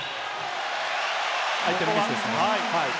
相手のミスですね。